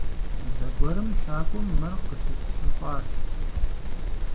Зэгуэрым щакӀуэм мыр къыщысщыщӀащ.